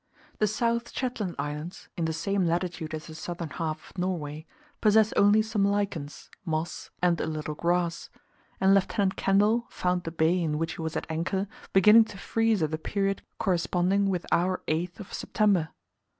The South Shetland Islands, in the same latitude as the southern half of Norway, possess only some lichens, moss, and a little grass; and Lieut. Kendall found the bay, in which he was at anchor, beginning to freeze at a period corresponding with our 8th of September.